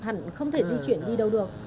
hẳn không thể di chuyển đi đâu được